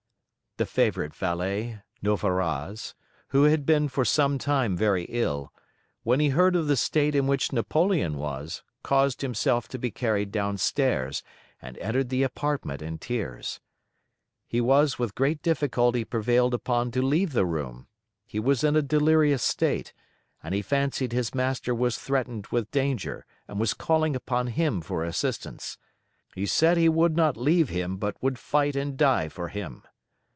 The favourite valet, Noverraz, who had been for some time very ill, when he heard of the state in which Napoleon was, caused himself to be carried downstairs, and entered the apartment in tears. He was with great difficulty prevailed upon to leave the room: he was in a delirious state, and he fancied his master was threatened with danger, and was calling upon him for assistance: he said he would not leave him but would fight and die for him.